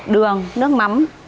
đường nước mắm